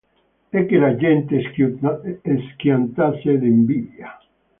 E che la gente schiantasse d'invidia.